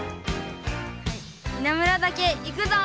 稲村岳行くぞ！